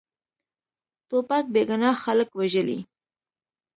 توپک بېګناه خلک وژلي.